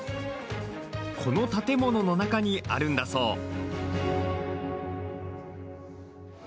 この建物の中にあるんだそう。